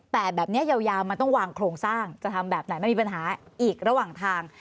แต่แบบนี้ยาวมันต้องวางโครงสร้างจะทำแบบไหนมันมีปัญหาอีกระหว่างทาง